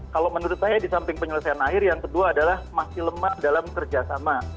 kalau menurut saya di samping penyelesaian air yang kedua adalah masih lemah dalam kerjasama